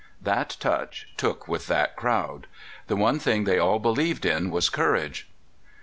That touch took with that c» ovvd. The one thing they all believed in was courage.